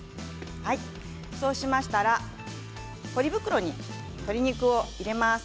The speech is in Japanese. そうしましたらポリ袋に鶏肉を入れます。